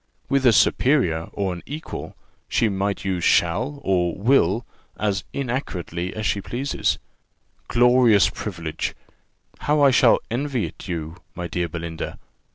With a superior or an equal, she might use shall and will as inaccurately as she pleases. Glorious privilege! How I shall envy it you, my dear Belinda!